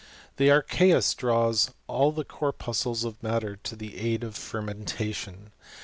The archeus draws all the corpuscles of matter tO' the aid o1 fermentation.